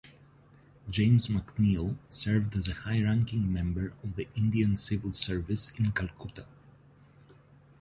James McNeill served as a high-ranking member of the Indian Civil Service in Calcutta.